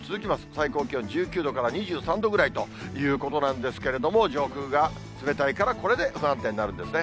最高気温１９度から２３度ぐらいということなんですけれども、上空が冷たいから、これで不安定になるんですね。